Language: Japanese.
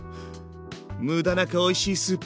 無駄なくおいしいスープ。